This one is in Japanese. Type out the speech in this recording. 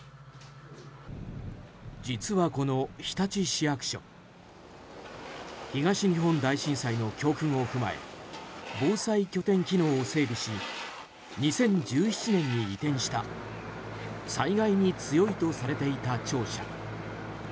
実は、この日立市役所東日本大震災の教訓を踏まえ防犯拠点機能を整備し２０１７年に移転した災害に強いとされていた庁舎。